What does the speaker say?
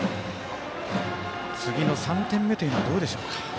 次の３点目はどうでしょうか。